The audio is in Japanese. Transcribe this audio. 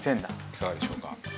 いかがでしょうか？